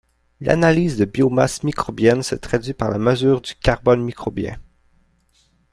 L'analyse de biomasse microbienne se traduit par la mesure du carbone microbien.